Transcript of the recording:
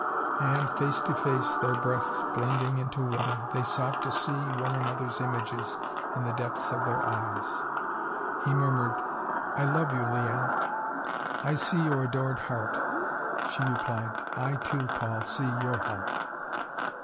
And, face to face, their breaths blending into one, they sought to see one another's images in the depths of their eyes. He murmured: "I love you, Liane. I see your adored heart." She replied: "I, too, Paul, see your heart!"